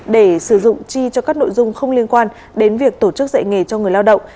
để sử dụng chi cho các nội dung không liên quan đến việc tổ chức dạy nghề cho người lao động